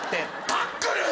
タックル！